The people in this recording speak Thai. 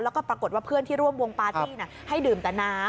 แล้วก็ปรากฏว่าเพื่อนที่ร่วมวงปาร์ตี้ให้ดื่มแต่น้ำ